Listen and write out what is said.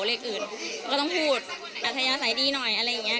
เลขอื่นก็ต้องพูดปัสเทยาใสสายดีหน่อยอะไรอย่างงี้